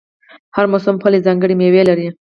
هر موسم خپله ځانګړې میوه لري.